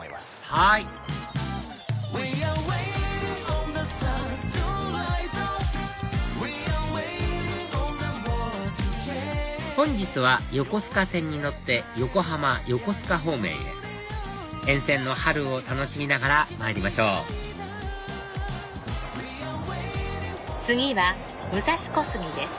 はい本日は横須賀線に乗って横浜横須賀方面へ沿線の春を楽しみながらまいりましょう次は武蔵小杉です。